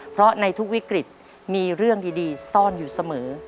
เพราะในทุกวิกฤตมีเรื่องดีซ่อนอยู่เสมอ